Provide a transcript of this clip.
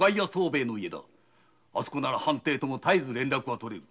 あそこなら藩邸とも絶えず連絡がとれる。